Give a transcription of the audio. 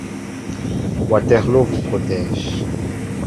Waterloo vous protège.